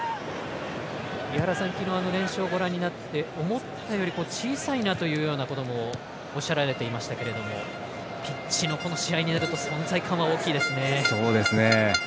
昨日、練習をご覧になって思ったよりも小さいなというようなこともおっしゃられていましたけれどもピッチの、試合になると存在感は大きいですね。